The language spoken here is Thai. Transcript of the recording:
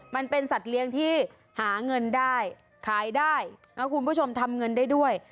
มันเป็นสัตว์เลี้ยงที่หาเงินได้ขายได้นะคุณผู้ชมทำเงินได้ด้วย